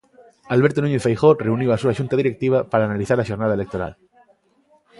Alberto Núñez Feijóo reuniu a súa xunta directiva para analizar a xornada electoral.